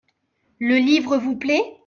Le livre vous plait ?